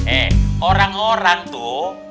eh orang orang tuh